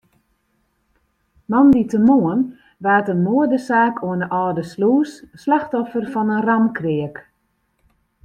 Moandeitemoarn waard in moadesaak oan de Alde Slûs slachtoffer fan in raamkreak.